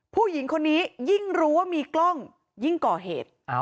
ผู้หญิงคนนี้ยิ่งรู้ว่ามีกล้องยิ่งก่อเหตุ